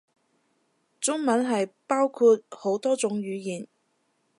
中文係包括好多種語言